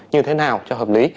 như thế nào cho hợp lý